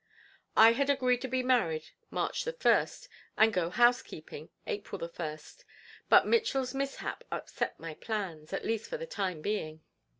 I had agreed to be married March the first and go housekeeping April the first, but Mitchell's mishap upset my plans, at least for the time being.